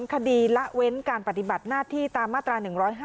คดีละเว้นการปฏิบัติหน้าที่ตามมาตรา๑๕